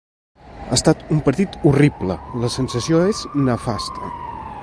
Ha estat un partit horrible, la sensació és nefasta.